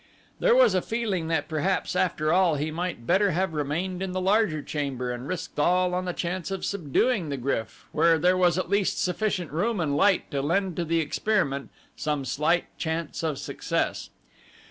There was a feeling that perhaps after all he might better have remained in the larger chamber and risked all on the chance of subduing the GRYF where there was at least sufficient room and light to lend to the experiment some slight chance of success.